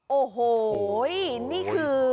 โอ้โหนี่คือ